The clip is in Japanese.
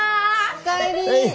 お帰り。